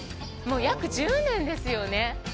約１０年ですよね。